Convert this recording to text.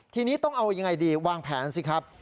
ทีนี้ต้องเอายังไงดีวางแผนสิครับ